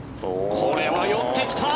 これは寄ってきた！